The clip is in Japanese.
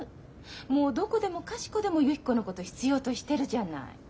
もうどこでもかしこでもゆき子のこと必要としてるじゃない。